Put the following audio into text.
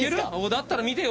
だったら見てよ